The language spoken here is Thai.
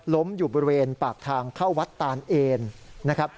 ล้มอยู่บริเวณปากทางเข้าวัดตานเอนน